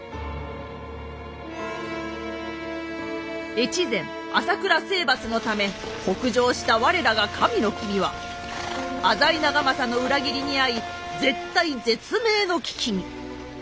越前朝倉征伐のため北上した我らが神の君は浅井長政の裏切りに遭い絶体絶命の危機に。